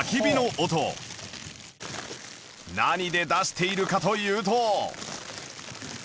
何で出しているかというと